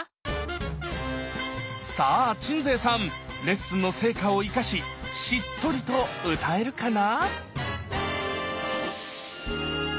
さあ鎮西さんレッスンの成果を生かししっとりと歌えるかな？